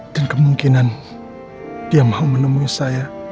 dan kemungkinan dia mau menemui saya